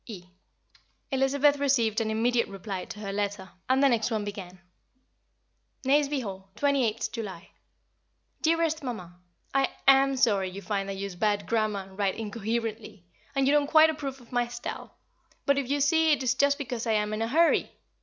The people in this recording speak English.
Elizabeth received an immediate reply to her letter, and the next one began: Nazeby Hall, 28th July. Dearest Mamma, I am sorry you find I use bad grammar and write incoherently, and you don't quite approve of my style; but you see it is just because I am in a hurry.